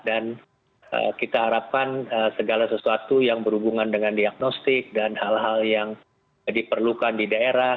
dan kita harapkan segala sesuatu yang berhubungan dengan diagnostik dan hal hal yang diperlukan di daerah